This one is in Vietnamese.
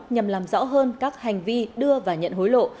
nhằm làm rõ hơn các hành vi đưa và nhận hối lộ